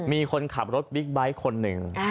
มีคนขับรถบิ๊กไบท์คนหนึ่ง